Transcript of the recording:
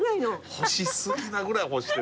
干し過ぎなぐらい干してる。